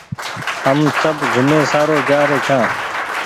هم سب گھومي سآرو جآري ڇآن